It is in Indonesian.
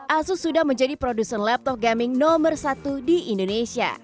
asus rog ini menjadi satu dari beberapa laptop gaming yang terbaru di indonesia